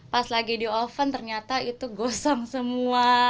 pas lagi di oven ternyata itu gosong semua